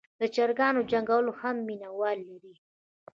د چرګانو جنګول هم مینه وال لري.